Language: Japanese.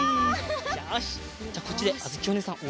よしじゃあこっちであづきおねえさんおうえんしよう。